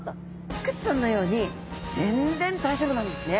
クッションのように全然大丈夫なんですね。